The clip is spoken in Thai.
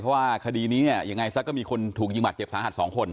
เพราะว่าคดีนี้อย่างไรซักก็มีคนถูกยิงบัตรเจ็บสาหัส๒คน